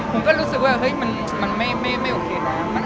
ผมก็ลึกว่าเห้ยมันโอเคแหละ